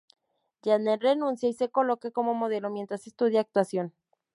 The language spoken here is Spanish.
Janet renuncia y se coloca como modelo mientras estudia actuación.